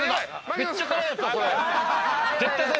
めっちゃ辛いやつだそれ。